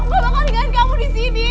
aku gak bakal tinggalkan kamu disini